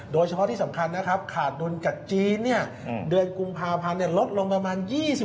โดยเฉพาะที่สำคัญนะครับขาดดุลกับจีนเดือนกุมภาพันธ์ลดลงประมาณ๒๕